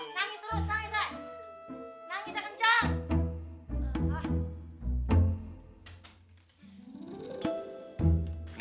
nangis ya kenceng